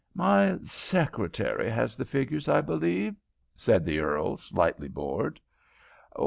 "My secretary has the figures, I believe," said the earl, slightly bored.